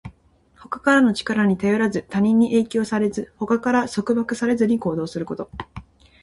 他からの力に頼らず、他人に影響されず、他から束縛されずに行動すること。